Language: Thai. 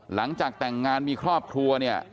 หลังจากแต่งงานมีครอบครัวเนี่ย